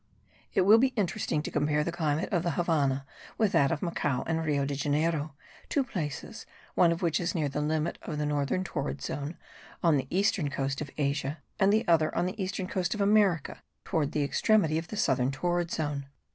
It will be interesting to compare the climate of the Havannah with that of Macao and Rio Janeiro; two places, one of which is near the limit of the northern torrid zone, on the eastern coast of Asia; and the other on the eastern coast of America, towards the extremity of the southern torrid zone.